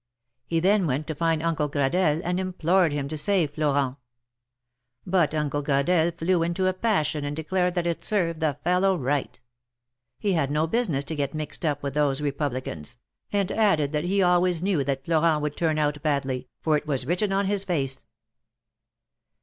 He then went to find Uncle Gradelle, and implored him to save Florent; but Uncle Gradelle flew into a passion, and declared that it served the fellow right ; he had no business to get mixed up with those Kepublicans, and added that he always knew that Florent would turn out badly, for it was written on his face.